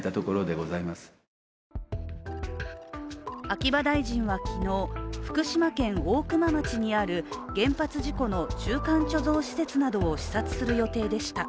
秋葉大臣は昨日、福島県大熊町にある原発事故の中間貯蔵施設などを視察する予定でした。